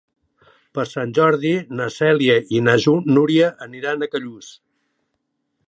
Per Sant Jordi na Cèlia i na Núria aniran a Callús.